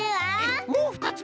えっもうふたつめ？